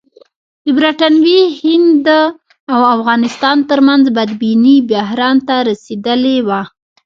د برټانوي هند او افغانستان ترمنځ بدبیني بحران ته رسېدلې وه.